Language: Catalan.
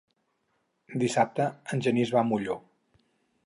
Dissabte en Genís va a Molló.